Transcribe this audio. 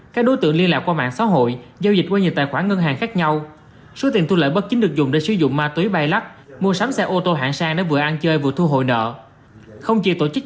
các đối tượng liên lạc qua mạng xã hội giao dịch qua nhiều tài khoản ngân hàng khác nhau